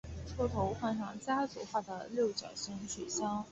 车头换上家族化的六角形水箱护罩及头灯设计。